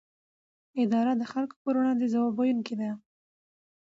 اداره د خلکو پر وړاندې ځواب ویونکې ده.